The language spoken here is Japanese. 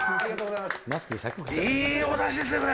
いいおだしですね、これ。